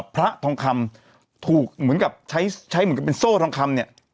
พระทองคำถูกเหมือนกับใช้ใช้เหมือนกับเป็นโซ่ทองคำเนี่ย